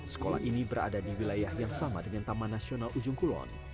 sekolah ini berada di wilayah yang sama dengan taman nasional ujung kulon